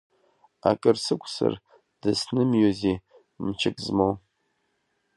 Акыр сықәзар дыснымиози мчык змоу.